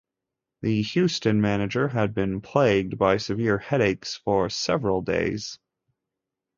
The Houston manager had been plagued by severe headaches for several days.